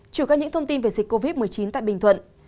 chủ các những thông tin về dịch covid một mươi chín tại bình thuận